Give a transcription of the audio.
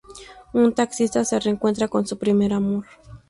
Un taxista se reencuentra con su primer amor.